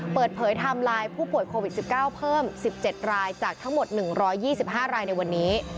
ไทม์ไลน์ผู้ป่วยโควิด๑๙เพิ่ม๑๗รายจากทั้งหมด๑๒๕รายในวันนี้